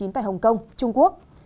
tại hồng kông trung quốc